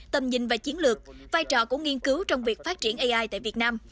tầm nhìn và chiến lược vai trò của nghiên cứu trong việc phát triển ai tại việt nam